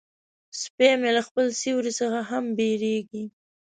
سپي مې له خپل سیوري څخه هم بیریږي.